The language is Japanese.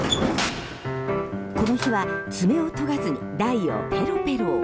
この日は、爪を研がずに台をペロペロ。